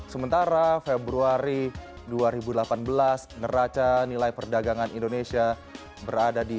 sementara februari dua ribu delapan belas ngeraca nilai perdagangan indonesia berada di minus satu ratus enam belas